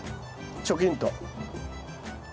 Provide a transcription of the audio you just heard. チョキンと。